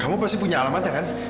kamu pasti punya alamat ya kan